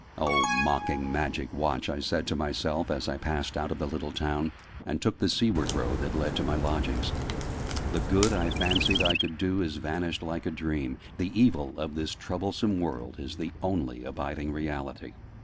"Oh mocking Magic Watch!" I said to myself, as I passed out of the little town, and took the seaward road that led to my lodgings. "The good I fancied I could do is vanished like a dream: the evil of this troublesome world is the only abiding reality!"